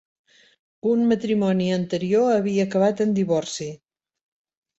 Un matrimoni anterior havia acabat en divorci.